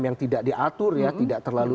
yang tidak diatur ya tidak terlalu